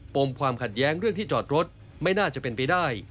มความขัดแย้งเรื่องที่จอดรถไม่น่าจะเป็นไปได้